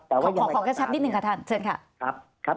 ขอข้อกระชับนิดนึงคะท่าน